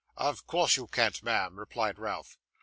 'Of course you can't, ma'am,' replied Ralph.